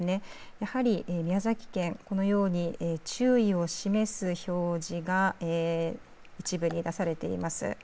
やはり宮崎県、このように注意を示す表示が一部に出されています。